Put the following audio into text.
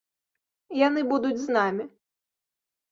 Яны будуць з намі.